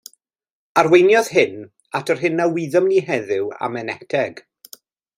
Arweiniodd hyn at yr hyn a wyddom ni heddiw am Eneteg.